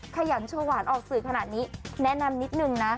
ขยันโชหวานออกสื่อขนาดนี้แนะนำนิดนึงนะ